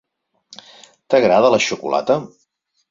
T'agrada la xocolata?